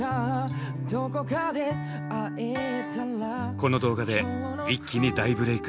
この動画で一気に大ブレーク。